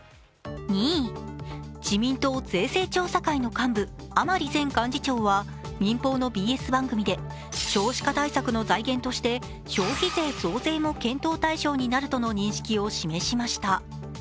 自民党・税制調査会の幹部甘利前幹事長は民放のＢＳ番組で少子化対策の財源として消費税増税も検討対象になるとの認識を示しました。